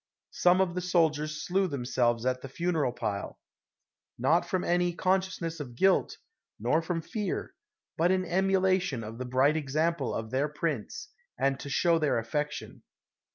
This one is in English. Some of the soldiers slew themselves at the funeral pile, not from any consciousness of guilt, nor from fear, but in emulation of the bright example of their prince, and to show their affection.